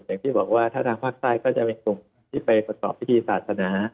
อย่างที่บอกว่าถ้าทางภาคใต้ก็จะเป็นกลุ่มที่ไปประกอบพิธีศาสนา